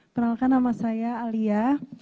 kenalkan nama saya alia